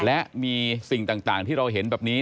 และมีสิ่งต่างที่เราเห็นแบบนี้